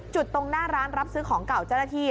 ตรงหน้าร้านรับซื้อของเก่าเจ้าหน้าที่